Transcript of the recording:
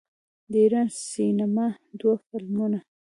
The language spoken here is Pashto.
د ایران د سینما دوه فلمونه